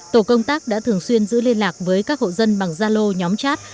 tổ công tác đã thường xuyên giữ liên lạc với các hộ dân bằng gia lô nhóm chat